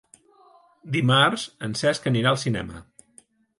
Dimarts en Cesc anirà al cinema.